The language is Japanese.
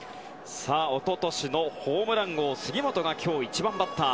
一昨年のホームラン王、杉本が今日、１番バッター。